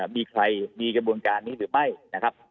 มีใครมีกระบวนการนี้หรือไม่นะครับ